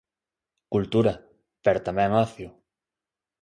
Cultura, pero tamén ocio.